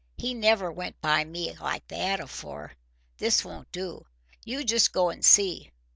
He never went by me like that afore. This won't do. You just go and see.